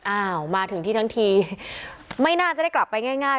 อ้าวมาถึงที่ทั้งทีไม่น่าจะได้กลับไปง่าย